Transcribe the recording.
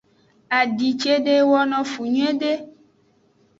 Adi cede wono fu nyuiede.